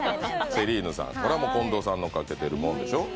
セリーヌさん、近藤さんのかけてるものでしょう。